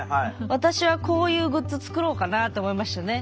私はこういうグッズ作ろうかなあと思いましたね。